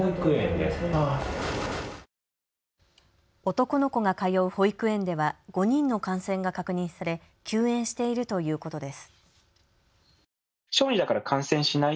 男の子が通う保育園では５人の感染が確認され休園しているということです。